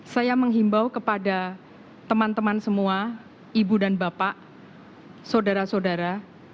saya menghimbau kepada teman teman semua ibu dan bapak saudara saudara